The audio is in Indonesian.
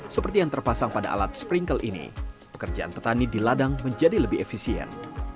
seperti yang terpasang pada alat sprinkle ini pekerjaan petani di ladang menjadi lebih efisien